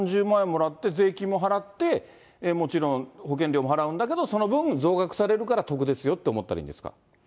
３０万円もらって税金も払って、もちろん保険料も払うんだけど、その分増額されるから得ですよと思ったらいいんですか。